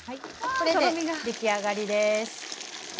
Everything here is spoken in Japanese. これで出来上がりです。